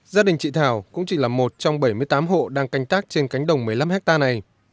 gia đình chị thảo cũng chỉ là một trong bảy mươi tám hộ đang canh tác trên cánh đồng một mươi năm hectare này